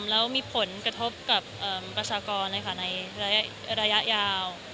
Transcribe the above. แล้วมีผลกระทบกับประชากรในระยะยาว